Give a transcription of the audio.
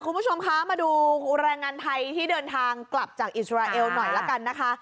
คุณผู้ชมคะมาดูแรงงานไทยที่เดินทางกลับจากอิสราเอลหน่อยละกันนะคะ